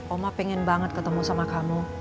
oma pengen banget ketemu sama kamu